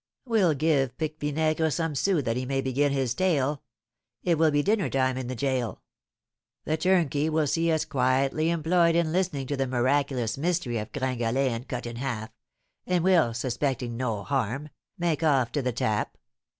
We'll give Pique Vinaigre some sous that he may begin his tale. It will be dinner time in the gaol; the turnkey will see us quietly employed in listening to the miraculous mystery of 'Gringalet and Cut in Half,' and will, suspecting no harm, make off to the tap.